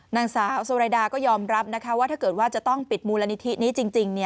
นางสาวโซรายดาก็ยอมรับนะคะว่าถ้าเกิดว่าจะต้องปิดมูลนิธินี้จริง